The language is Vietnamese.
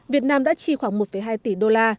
việt nam đã chi khoảng một hai tỷ đô la